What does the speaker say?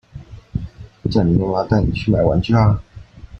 叫你媽媽帶你去買玩具啊